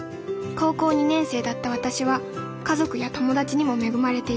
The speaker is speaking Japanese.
高校２年生だった私は家族や友達にも恵まれていた。